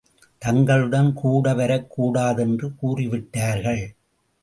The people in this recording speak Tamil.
தங்களுடன் கூட வரக் கூடாதென்று கூறிவிட்டார்கள்.